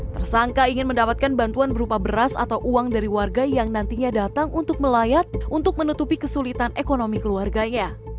tersangka ingin mendapatkan bantuan berupa beras atau uang dari warga yang nantinya datang untuk melayat untuk menutupi kesulitan ekonomi keluarganya